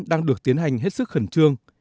đang được tiến hành hết sức khẩn trương